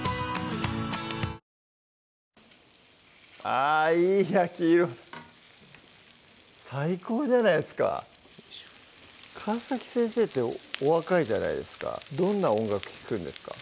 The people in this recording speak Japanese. あぁいい焼き色最高じゃないですか川先生ってお若いじゃないですかどんな音楽聴くんですか？